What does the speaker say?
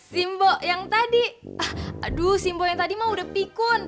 simbol yang tadi aduh simbol yang tadi mah udah pikun